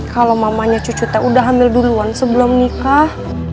kalau mamanya cucu teh udah hamil duluan sebelum nikah